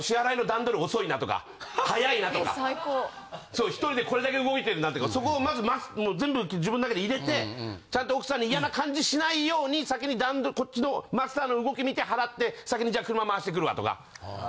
そうひとりでこれだけ動いてるなとかそこをまず全部自分の中に入れてちゃんと奥さんに嫌な感じしないように先に段取りこっちのマスターの動き見て払って先に「じゃあ車回してくるわ」とか。